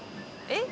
えっ？